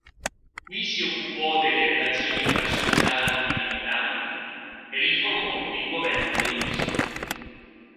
Qui si occupò delle relazioni tra soldati ed abitanti, e riformò il governo dell'isola.